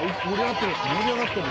盛り上がってる！